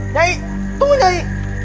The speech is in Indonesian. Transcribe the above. nyi tunggu nyi